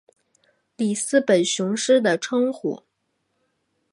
里斯本雄狮的称呼。